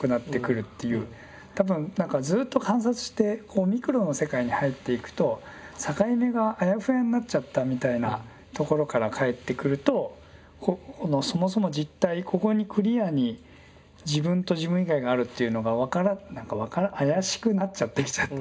多分何かずっと観察してこうミクロの世界に入っていくと境目があやふやになっちゃったみたいなところからかえってくるとこのそもそも実体ここにクリアに自分と自分以外があるっていうのが何か怪しくなっちゃってきちゃった。